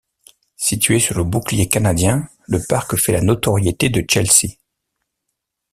Situé sur le Bouclier canadien le Parc fait la notoriété de Chelsea.